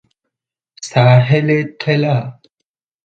ساحل طلا